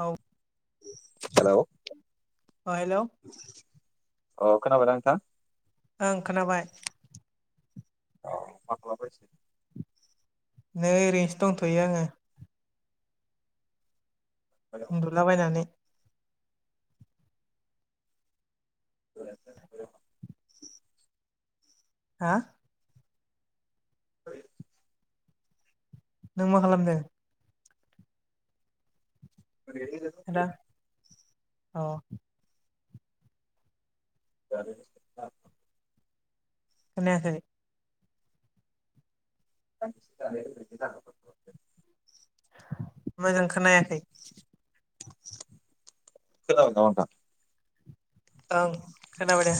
औ। हेल'। अ हेलौ अ खोनाबायना नोंथां ओं खोनाबाय औ मा खालामगासिनो नै ओरैनोसो दंथ'यो खोनाबाय उन्दुलाबायनानै [inaudible] हा है नों मा खालामदों? ओरैनो दा आदा दंथयो अ [inaudible] खोनायाखै [inaudible] मोजां खोनायाखै [unintelligible] ओं खोनाबाय दे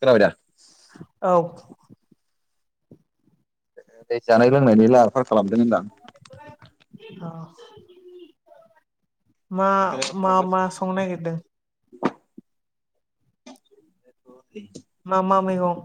खोनाबायदा औ नै जानाय लोंनायनि लाहार फाहार खालामदों होनदां अ मा ओंखायनो मा मा खालामगासिनो? संनो नागिरदों? [inaudible] मा मा मैगं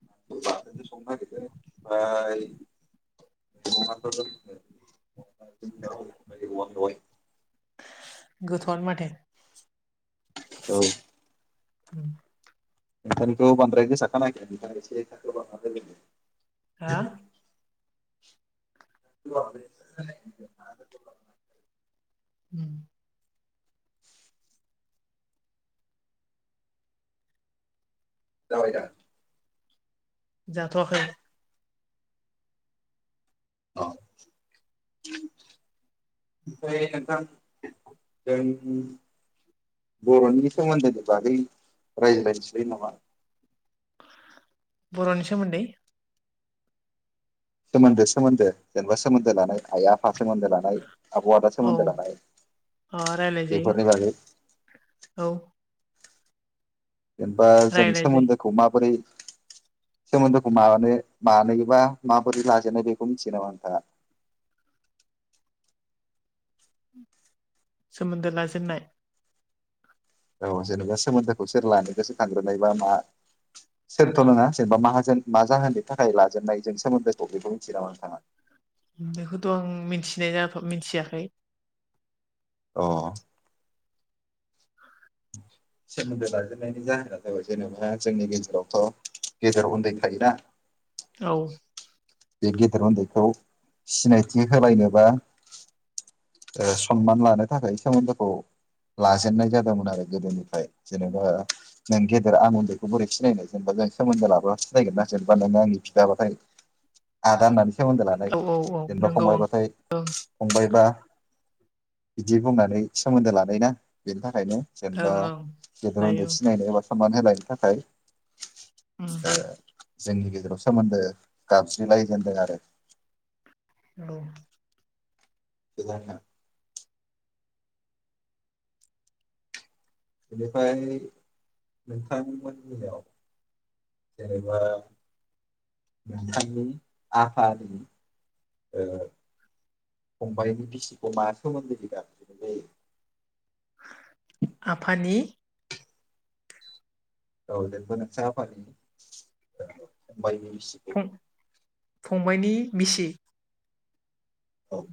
[unintelligible] [unintelligible] गोथावानो माथो उम नोंथांनिखौ बांद्राय गोसा खोनायाखै [unintelligible] हा [inaudible] ओम जाबाय दा जाथ'वाखै औ ओमफ्राय नोंथां जोंनि बर'नि सोमोन्दैनि बागै रायज्लायनोसै नामा बर'नि सोमोन्दै सोमोन्दो सोमोन्दो जेनोबा सोमोन्दो लानाय आइ आ फा सोमोन्दो लानाय आब' आदा औ सोमोन्दो लानाय अ रायलाय बेफोरनि बागै जायो औ जेनेबा जों रायलायजायो सोमोन्दोखौ माबोरै [inaudible] सोमोन्दोखौ मानो मानोबा माबोरै लाजेनो बेखौ मिथियो नामा नोंथाङा? सोमोन्दो लाजेननाय औ जेनोबा सोमोन्दोखौ सोर लानो गोसोखांग्रोनाय बा मा सोरथ' नङा जेनोबा माहाजोन मा जाहोननि थाखाय लाजेननायजों सोमोनदोखौ बेखौ मिथियो नामा नोंथाङा? बेखौथ' आं मिथिनाय जाथ' मिथियाखै अ [inaudible] सोमोन्दो लाजेननायनि जाहोना जाबाय जेनोबा जोंनि गेजेरावथ' गेदेर उन्दै थायो ना औ बे गेदेर उन्दैखौ सिनायथि होलायनोबा सनमान लानो थाखाय सोमोन्दोखौ लाजेेननाय जादोंमोन आरो गोदोनिफ्राय जेन'बा नों गेदेर आं उन्दैखौ बोरै सिनायनो जेनोबा सोमोन्दो लाब्ला सिनायगोन ना जेनोबा नों आंनि बिदा बाथाय। [inaudible] आदा होननानै सोमोन्दो लानाय औ औ औ जेनोबा नंगौ ओं फंबायबाथाय ओं फंबायबा बिदि बुंनानै सोमोन्दो लानाय ना बेनि थाखाय नो ओं जेनेबा ओं गदेर लायो उन्दै सिनायनो एबा सनमान होलायनो थाखाय उम ओ जोंनि गेजेराव सोमोन्दो गाबज्रिलायजेनदों आरो औ। [unintelligible] बेनिफ्राय नोंथांमोन नियाव जेनोबा नोंथांनि आफानि ओ फंबाइनि बिसिखौ मा सोमोन्दोजों गाबज्रिनाय जायो आफानि औ जेनोबो नोंसा आफानि फंबाइनि बिसिखौ फंबाइनि मिसि।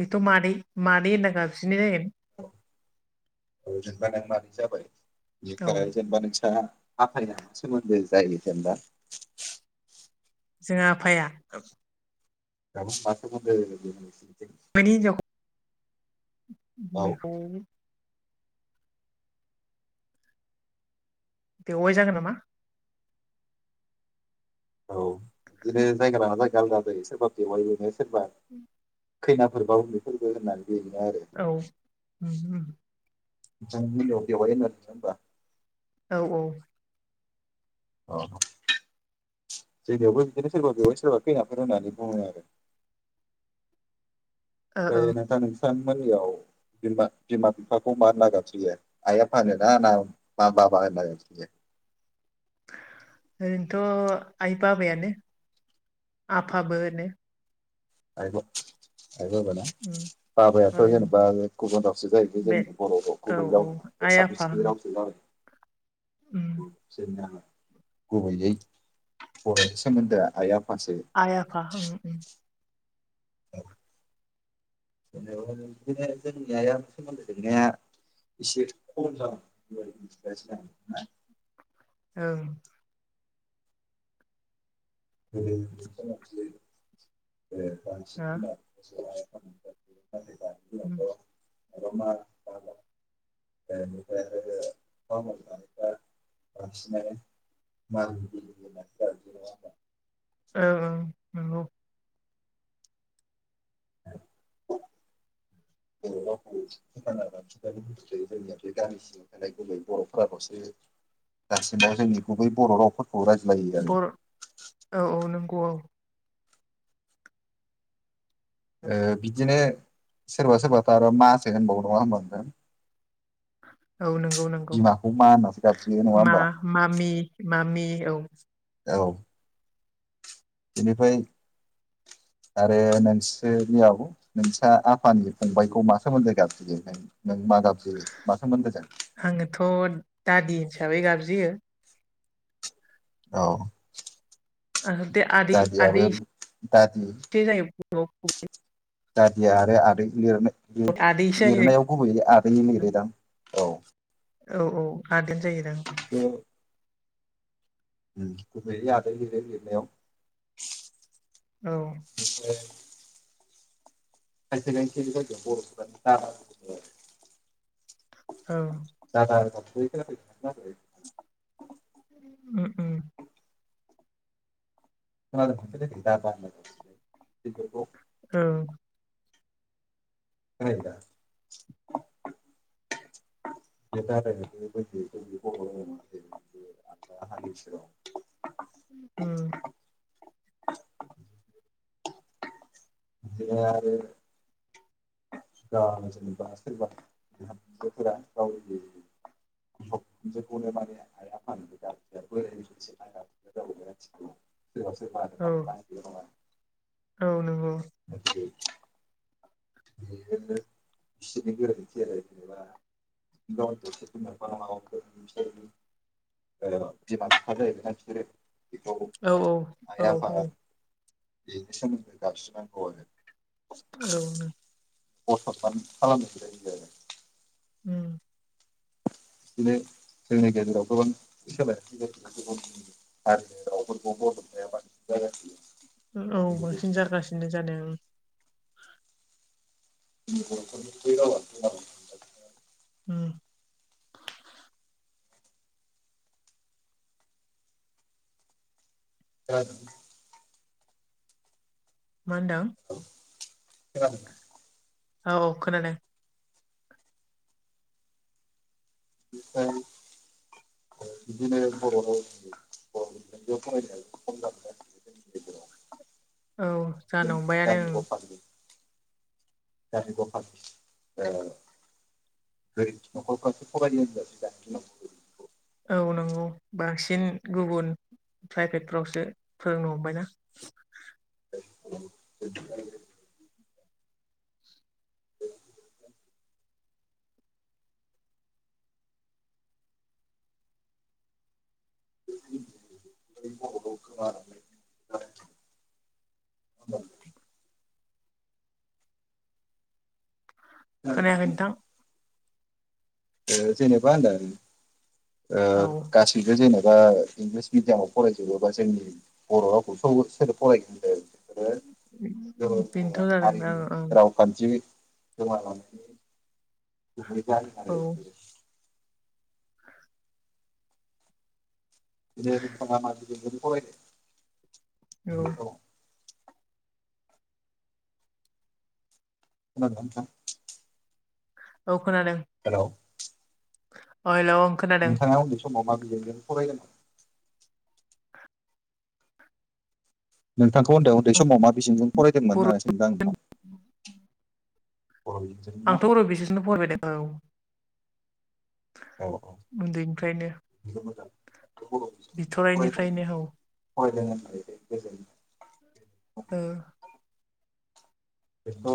बेथ' मानै-मानैै होनना गाबसिननाय जागोन। औ जेनेबा नों मानै जाबाय औ बेनिफ्राय जेनेबा नों सा आफाया सोमोन्दो जायो जेनेबा। जोंहा आफाया [unintelligible] मायनि हिनजावखो औ निखौ बेवाय जागोन नामा। औ बिदिनो जायगा लाना जायगा आलादा जायो सोरबा बेवायबो [unintelligible] खैनाफोरबाव उन्द बेफोरबो होननानै बेनो आरो औ उम उम। जों मिलयाव बेवाय होना मोनथिया होनोमबा औ औ। अ जोंनियावबो बिदिनो सोरबा बेवहाय सोरबा खैनाफोर होननानै बुङो आरो। ओ ओमफाय नोथां नोंथांमोनियाव जेनेबा बिमा बिफाखौ मा होनना गाज्रियो आइया फानो ना-ना मा बाबा होनना गाज्रियो। ओरैनोथ' आइ बाबायानो। आफाबो होनो। आइ बाबा ना। उम बाबायाथ' ओं जेनेबा गुबुन रावसो जाहैबाय बे जोंनि बर' राव औ गुबै औ राव नङा आइ आफा एसामिसनि रावसो जाबाय उम जोंना गुबैयै बर'नि सोमोन्दो आइ आफ। आइ आफा औ जेनेबा बिदिनो जोंनि आइ सोमोन्दो लिंनाया इसे खम जालांनो हमबाय औ [unintelligible] [unintelligible] उम दिनावथ' [unintelligible] बांसिनानो औ औ औ [unintelligible] बर' रावखौ फोथांना लाखिनोया जोंनिया बे गामिसिंङाव थानाय गुबै बर'फोराल'सो दासिमाव जोंनि गुबै बर' रावफोर बर' औ औ नंगौ औ। ओ बिदिनो सोरबा सोरबाथ' आरो मा सो होनबावो नङा होनबा नोंथां। औ नंगौ-नंगौ बिमाखौ मा होननासो गाबज्रियो नङा मा होमबा मामि-मामि औ। औ बिनिफ्राय [unintelligible] आरो नोंसोरनियाव नोंसा आफानि फंबायखौ मा सोमोन्दो गाबज्रियो। नों मा गाबज्रियो मासोमोन्दो गाबज्रियो आङोथ' दादि हिसाबै गाबज्रियो। औ ओ दे दादियाबो आदै-आदै दादि एसो जायो। दादि आरो आदै लिरनो आदैसो जायो लिरनायाव गुबैयै आदै लिरोदां। औ औ-औ आदैयानो जायोदां। खुमै आदाय लिरो लिरनायाव औ बेफ्राय [unintelligible] फसे गसे औ [unintelligible] दा दा [unintelligible] उम उम। [unintelligible] दादा होनो गिदिरखौ ओं। दा [unintelligible] ज [unintelligible] आ [unintelligible] उम। बि आरो ग जेनेबा सोरबाफोरा राव [unintelligible] जखौनो माने आइ आफानि गया बोरायसे औ जाब औ नंगौ [unintelligible] [unintelligible] बेनो बिसिनि गोरोन्थि आरो जेनेबा गथ'स [unintelligible] ओ बिमा बिफा जाहैबाय ना बिसोरो बेखौ औ आइ औ आफा औ बिदि सोमोन्दो गाबज्रि नांगौ आरो। औ नों असनमान खालामनाय जायो आरो। उम। बिदिनो जोंनि गेजेराव गोबां सोलायनाय फैबाय गुबुन हारिनि रावफोरखौ बाया [unintelligible] बसि [unintelligible] औ बांसिन जागासिनो जादों। [unintelligible] उम। दा जों मा होनदों? खोनादों ना? औ औ खोनादों। ओमफ्राय बिदिनो बर' राव जों बर' बिजोंजों फरायनाया खम जाबोबाय औ जानो हम्बायानों ओं। ज ब [unintelligible] [unintelligible] ओ गोरिब नखरफ्राबो फरायनो [unintelligible] [unintelligible] औ नंगौ बांसिन गुबुन प्राइभेटफोरावसो फोरोंनो हमबायना ओ बिदिनो बर' राव गोमा लांगोन [unintelligible] [unintelligible] खोनायाखै नोंथां जेनेबा होनदों ओ औ गासैबो जेनेबा बा इंलिस मिडियामाव फरायजोबोबा जोंनि बर' रावखौ स-सोरो फरायगोन होनदों। आरो [unintelligible] बेनोथ' [unintelligible] जादों हारिनि ओं रावखान्थि गोमालांनाय गुबै जाहोनानो ओं बेनो। बिदि [unintelligible] [unintelligible] औ खोनादोंना नोंथां? औ खोनादों। हेलौ अ हेल' नोंथाङा उन्दै समाव मा बिजोंजों फरायदोंमोन? नोंथांखौ होनदों उन्दै समाव मा बिजोंजों फरायदोंमोन बर' ओ सोंदों आं नोंनाव आंथ' बर' बिजोंजोंनो फरायबायदों औ औ अ उन्दैनिफ्रायनो [unintelligible] [unintelligible] बड बिजोंनि बिथराइनिफ्रायनो औ फरायसालिनि [unintelligible] गोजोनो [unintelligible] ओ बेथ' ओ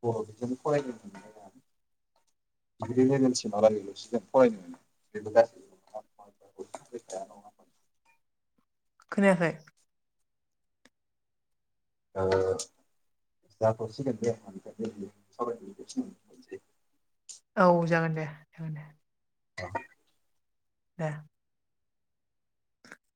बर' बिजों फरायनो मोनबायना [unintelligible] [unintelligible] [unintelligible] [unintelligible] खोनायाखै ओ जाथसिगोन दे [unintelligible] [unintelligible] औ जागोन दे जागोन दे [unintelligible] दे [unintelligible]